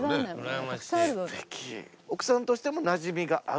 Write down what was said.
奥さんとしてもなじみがあるし。